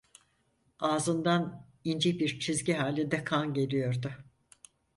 Ağzından ince bir çizgi halinde kan geliyordu.